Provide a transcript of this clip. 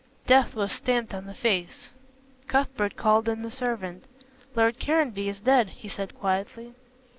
Death was stamped on the face. Cuthbert called in the servant. "Lord Caranby is dead," he said quietly.